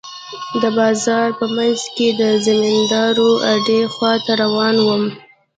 د بازار په منځ کښې د زمينداورو اډې خوا ته روان وم.